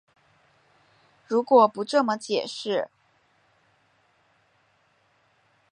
如果不这么解释